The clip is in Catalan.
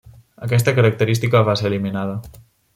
Aquesta característica va ser eliminada.